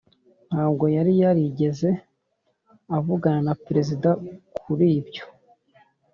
ntabwo yari yarigeze avugana na perezida kuri ibyo.